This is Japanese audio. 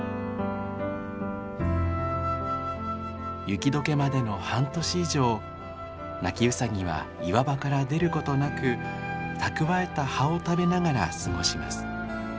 雪解けまでの半年以上ナキウサギは岩場から出ることなく蓄えた葉を食べながら過ごします。